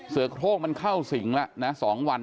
เสือกโท่งมันเข้าสิงละ๒วัน